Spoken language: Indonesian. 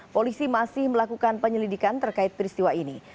polisi masih melakukan penyelidikan terkait peristiwa ini